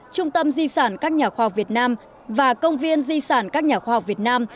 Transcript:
trung tâm di sản các nhà khoa học việt nam và công viên di sản các nhà khoa học việt nam